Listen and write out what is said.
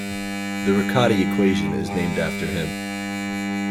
The Riccati equation is named after him.